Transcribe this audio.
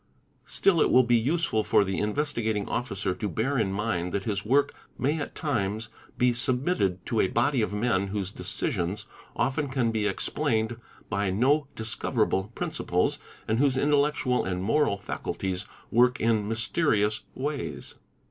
Still it will be useful for the Investigating Officer to bear in mind that his work may ~ at times be submitted to a body of men whose decisions often can be — explained by no discoverable principles and whose intellectual and moral faculties work in mysterious ways.